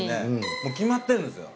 もう決まってるんですよ